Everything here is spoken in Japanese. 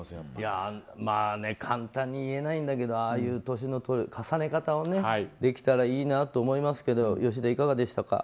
簡単に言えないんだけどああいう年の重ね方をねできたらいいなと思いますけど吉田、いかがでしたか？